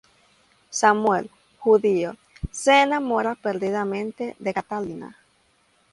Samuel, judío, se enamora perdidamente de Catalina.